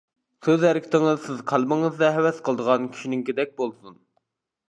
سۆز-ھەرىكىتىڭىز سىز قەلبىڭىزدە ھەۋەس قىلىدىغان كىشىنىڭكىدەك بولسۇن.